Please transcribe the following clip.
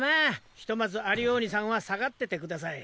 ひとまずアリオーニさんは下がっててください。